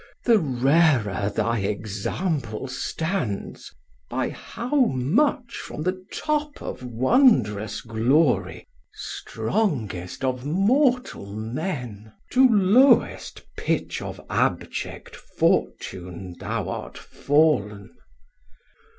The rarer thy example stands, By how much from the top of wondrous glory, Strongest of mortal men, To lowest pitch of abject fortune thou art fall'n.